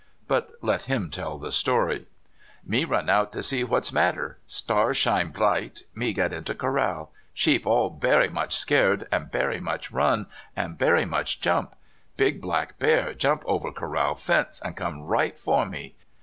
But let him tell the story: *' Me run out to see what's matter; stars shine blight; me get into corral; sheep all bery much scared, and bery much run, and bery much jump. Big black bear jump over corral fence and come right for me.